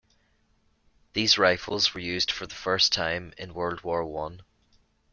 These rifles were used for the first time in World War One.